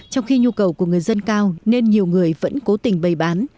trong khi nhu cầu của người dân cao nên nhiều người vẫn cố tình bày bán